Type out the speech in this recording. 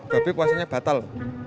babe kuasanya batal